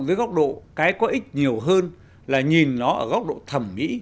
dưới góc độ cái có ích nhiều hơn là nhìn nó ở góc độ thẩm mỹ